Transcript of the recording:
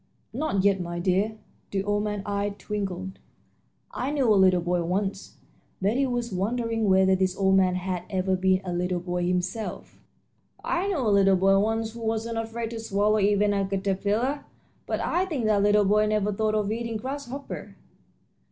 "Not yet, my dear." The old man's eyes twinkled. "I knew a little boy once" Betty was wondering whether this old man had ever been a little boy himself "I knew a little boy once who wasn't afraid to swallow even a caterpillar, but I think that little boy never thought of eating a grasshopper."